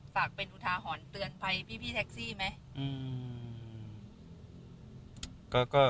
ฝากเป็นหรุฑาหอนเตือนไฟพี่แท็กซี่ไหมอืม